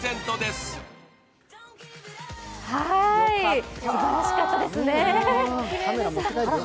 すばらしかったですね。